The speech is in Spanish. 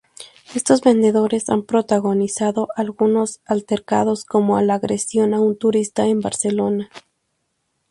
Estos vendedores han protagonizado algunos altercados como la agresión a un turista en Barcelona.